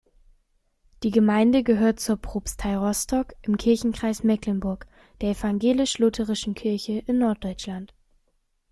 Die Gemeinde gehört zur Propstei Rostock im Kirchenkreis Mecklenburg der Evangelisch-Lutherischen Kirche in Norddeutschland.